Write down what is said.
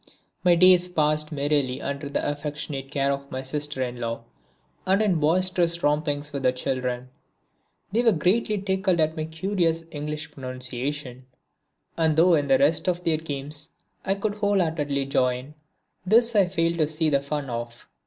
My days passed merrily under the affectionate care of my sister in law and in boisterous rompings with the children. They were greatly tickled at my curious English pronunciation, and though in the rest of their games I could whole heartedly join, this I failed to see the fun of.